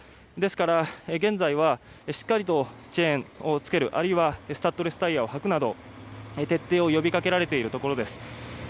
ですから、現在はしっかりとチェーンをつけるあるいはスタッドレスタイヤを履くなど徹底が呼びかけられているところです。